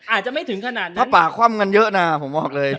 อาจจะไม่ถึงขนาดนั้นถ้าป่าคว่ำกันเยอะนะผมบอกเลย